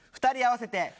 ２人合わせて。